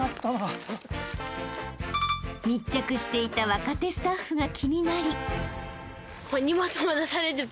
［密着していた若手スタッフが気になり］